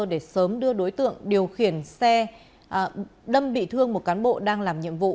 để sớm đưa đối tượng điều khiển xe đâm bị thương một cán bộ đang làm nhiệm vụ